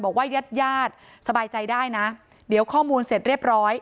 ญาติญาติสบายใจได้นะเดี๋ยวข้อมูลเสร็จเรียบร้อย